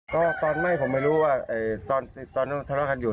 ก็ตอนไหม้ผมไม่รู้ว่าตอนนั้นทะเลาะกันอยู่